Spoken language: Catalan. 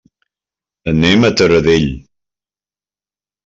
Anem a Taradell.